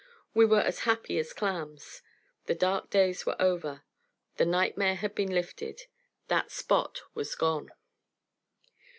We were as happy as clams. The dark days were over. The nightmare had been lifted. That Spot was gone.